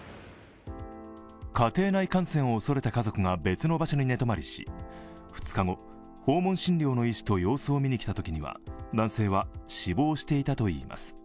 家庭内感染を恐れた家族が別の場所に寝泊まりし、２日後、訪問診療の医師と様子を見に来たときには男性は死亡していたといいます。